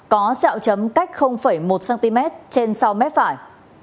có xeo chấm cách một cm trên sau mép phải